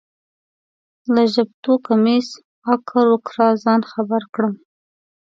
له ژبتوکمیز اکر و کره ځان خبر کړم.